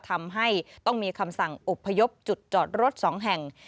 ทำให้ต้องมีคำสั่งอบพยพจุดจอดรถ๒แห่ง